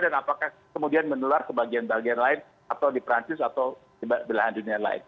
dan apakah kemudian menular ke bagian bagian lain atau di perancis atau di belahan dunia lain